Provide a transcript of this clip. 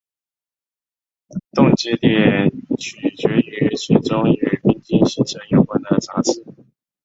冻结点取决于水中与冰晶形成有关的杂质。